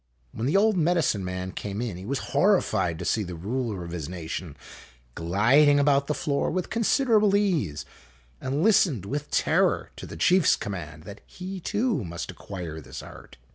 When the old medicine man came in he was horrified to see the ruler of his nation gliding about the floor with considerable ease, and listened with terror to the chief's command that he, too, THE TONGALOO TOURNAMENT 25 must acquire this art.